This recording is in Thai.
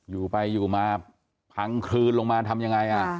อยู่ไปอยู่มาพังคลืนลงมาทำยังไง